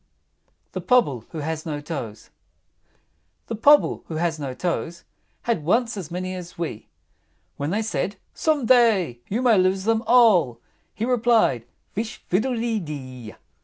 THE POBBLE WHO HAS NO TOES. I. The Pobble who has no toes Had once as many as we; When they said, "Some day you may lose them all;" He replied, "Fish fiddle de dee!"